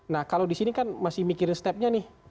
nah kalau di sini kan masih mikirin stepnya nih